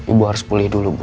ibu harus pulih dulu bu